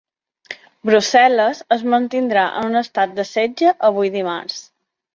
Brussel·les es mantindrà en estat de setge avui dimarts.